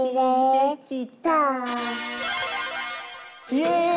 イエーイ！